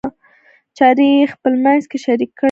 چارې خپلمنځ کې شریک کړئ.